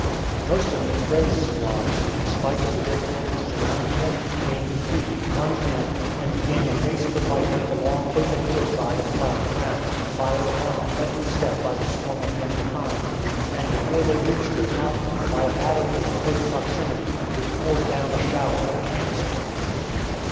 Most of McRae's squad, in spite of the difficulties surrounding them, gained the creek, plunged in, and began a race for life up the long, open hill side of plowed ground, fired upon at every step by the swarm of men behind, and before they reached the top, by a battery in close proximity, which poured down a shower of canister.